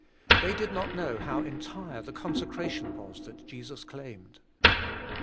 They did not know how entire the consecration was that Jesus claimed.